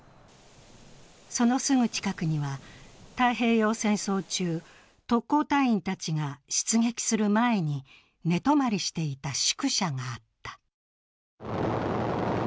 そのすぐ近くには、太平洋戦争中特攻隊員たちが出撃する前に寝泊まりしていた宿舎があった。